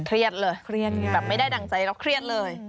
เครียดเลยเครียดแบบไม่ได้ดั่งใจแล้วเครียดเลย